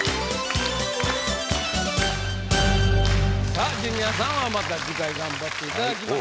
さあジュニアさんはまた次回頑張っていただきましょう。